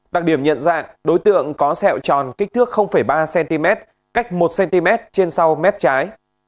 đặc điểm nhận dạng đối tượng có sẹo tròn kích thước ba cm cách một cm trên sau mép trái